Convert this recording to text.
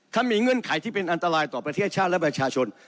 ถ้ามีเงื่อนไขที่เป็นอันตรายต่อประเทศชาติและประชาชน